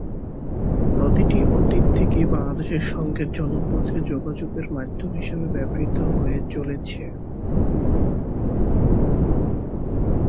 নদীটি অতীত থেকেই বাংলাদেশের সঙ্গে জলপথে যোগাযোগের মধ্যম হিসাবে ব্যবহৃত হয়ে চলেছে।